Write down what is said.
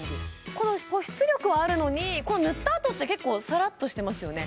この保湿力はあるのに塗ったあとって結構サラッとしてますよね